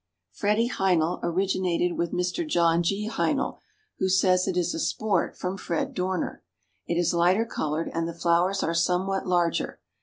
Freddie Heinl originated with Mr. John G. Heinl, who says it is a sport from Fred Dorner; it is lighter colored and the flowers are somewhat larger.